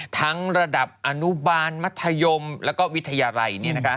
ระดับอนุบาลมัธยมและวิทยาลัย